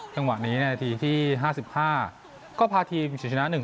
จังหวะนี้เนี่ยทีที่ห้าสิบห้าก็พาทีมชนชนะหนึ่ง